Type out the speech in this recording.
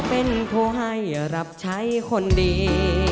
เป็นผู้ให้รับใช้คนดี